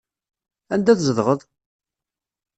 Anda tzedɣeḍ?